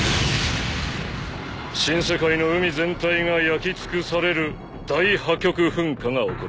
新世界の海全体が焼き尽くされる大破局噴火が起こる。